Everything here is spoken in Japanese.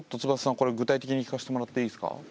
これ具体的に聞かせてもらっていいですか？